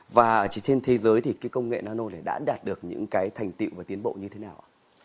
và trên thế giới thì công nghệ nano đã đạt được những thành tựu và tiến bộ như thế nào